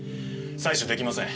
採取出来ません。